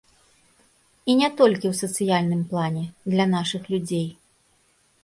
І не толькі ў сацыяльным плане, для нашых людзей.